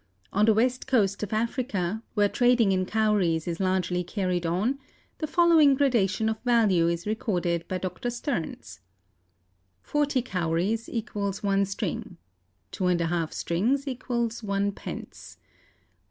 On the west coast of Africa, where trading in Cowries is largely carried on, the following gradation of value is recorded by Dr. Stearns: 40 Cowries = 1 string. 2½ strings = 1 pence.